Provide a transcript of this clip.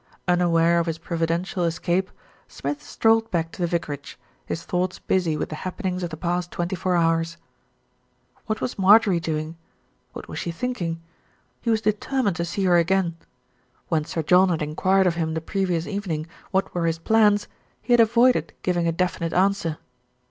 Unaware of his providential escape, Smith strolled back to the vicarage, his thoughts busy with the hap penings of the past twenty four hours. What was Marjorie doing? What was she think ing? He was determined to see her again. When Sir John had enquired of him the previous evening what were his plans, he had avoided giving a definite answer.